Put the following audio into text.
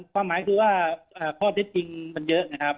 ความหมายคือว่าข้อเท็จจริงมันเยอะนะครับ